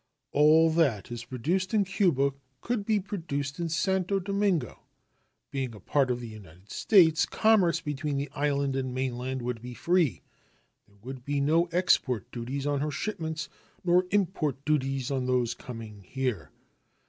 All that is produced in Cuba could be produced in Santo Domingo. Being a part of the United States, commerce between the island and mainland would be free. There would be no export duties on her shipments nor import duties on those coming here.